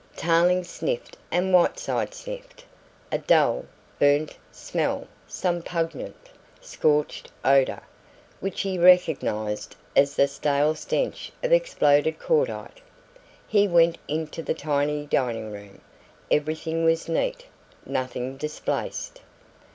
Tarling sniffed and Whiteside sniffed. A dull, "burnt" smell, some pungent, "scorched" odour, which he recognised as the stale stench of exploded cordite. He went into the tiny dining room; everything was neat, nothing displaced.